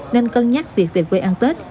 nên cân nhắc việc về quê ăn tết